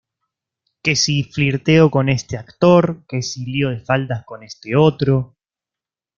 Que si flirteo con este actor, que si lío de faldas con este otro.